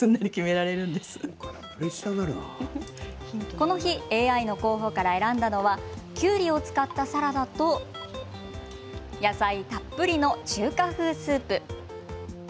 この日ＡＩの候補から選んだのはきゅうりを使ったサラダと野菜たっぷりの中華風スープ。